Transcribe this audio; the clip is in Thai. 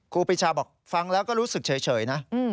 ครูปีชาบอกฟังแล้วก็รู้สึกเฉยนะ